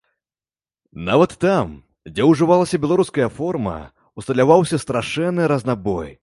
Нават там, дзе ўжывалася беларуская форма, усталяваўся страшэнны разнабой.